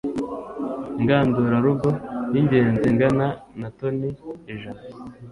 ingandurarugo y ingenzi Ingana na Toni ijana